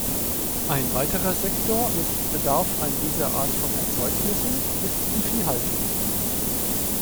Ein weiterer Sektor mit Bedarf an dieser Art von Erzeugnissen ist die Viehhaltung.